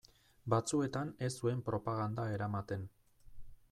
Batzuetan ez zuen propaganda eramaten.